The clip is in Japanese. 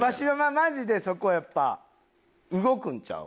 マジでそこやっぱ動くんちゃう？